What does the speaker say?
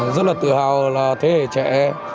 rất là tự hào là thế hệ trẻ